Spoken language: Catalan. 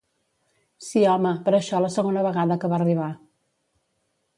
Sí, home, però això la segona vegada que va arribar.